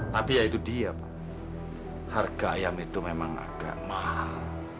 tapi ya itu dia pak harga ayam itu memang agak mahal